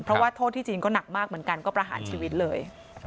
เพราะว่าโทษที่จีนก็หนักมากเหมือนกันก็ประหารชีวิตเลย